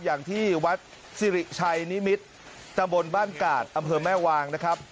อย่างที่วัดสิริชัยนิมิตรตำบลบ้านกาดอำเภอแม่วางนะครับ